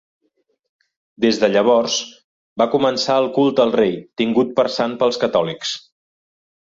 Des de llavors va començar el culte al rei, tingut per sant pels catòlics.